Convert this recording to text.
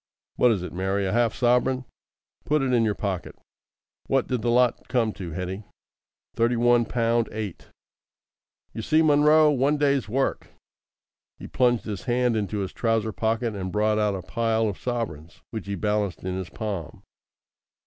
"What is it, Mary? A half sovereign? Put it in your pocket. What did the lot come to, Hetty?" "Thirty one pound eight." "You see, Munro! One day's work." He plunged his hand into his trouser pocket and brought out a pile of sovereigns, which he balanced in his palm.